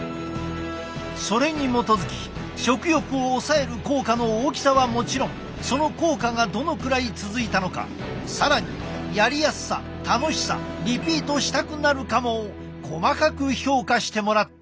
それに基づき食欲を抑える効果の大きさはもちろんその効果がどのくらい続いたのか更にやりやすさ楽しさリピートしたくなるかも細かく評価してもらった。